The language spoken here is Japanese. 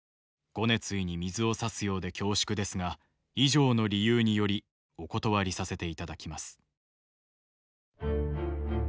ご熱意に水を差すようで恐縮ですが以上の理由によりお断りさせていただきます」。